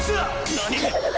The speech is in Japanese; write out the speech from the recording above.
何？